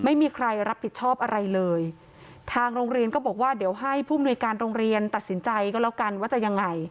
ไม่มีใครรับผิดชอบอะไรเลยทางโรงเรียนก็บอกว่าเดี๋ยวให้ผู้มนุยการโรงเรียนตัดสินใจก็แล้วกันว่าจะยังไง